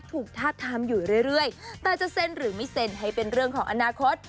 ทาบทามอยู่เรื่อยแต่จะเซ็นหรือไม่เซ็นให้เป็นเรื่องของอนาคต